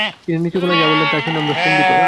তিনি নিচু গলায় যা বললেন, তা শুনে আমরা স্তম্ভিত।